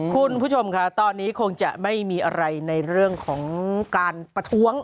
คุณผู้ชมค่ะตอนนี้คงจะไม่มีอะไรในเรื่องของการประท้วง